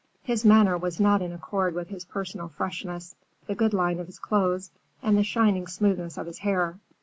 His manner was not in accord with his personal freshness, the good lines of his clothes, and the shining smoothness of his hair.